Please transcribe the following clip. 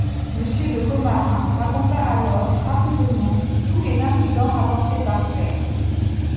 Monsieur de Commarin raconta alors rapidement tous les incidents rapportés par Claire.